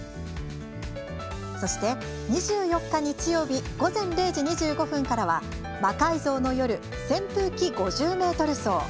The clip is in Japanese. そして、２４日、日曜日午前０時２５分からは「魔改造の夜扇風機５０メートル走」。